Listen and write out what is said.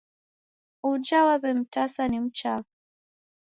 Uja w'aw'emtasa ni mchafu.